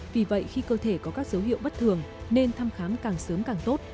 vì vậy khi cơ thể có các dấu hiệu bất thường nên thăm khám càng sớm càng tốt